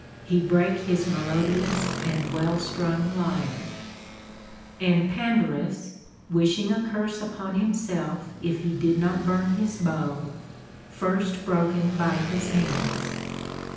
He brake his melodious and well strung lyre ;* and Pandarus, wishing a curse upon himself if he did not burn his bow, First broken by his hands.